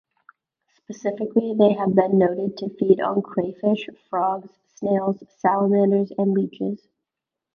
Specifically, they have been noted to feed on crayfish, frogs, snails, salamanders and leeches.